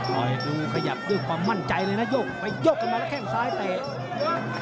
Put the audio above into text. ดูขยับด้วยความมั่นใจเลยนะโยกไปโยกกันมาแล้วแข้งซ้ายเตะ